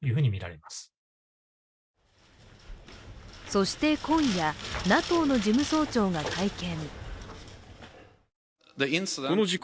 そして今夜、ＮＡＴＯの事務総長が会見。